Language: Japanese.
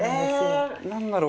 え何だろう？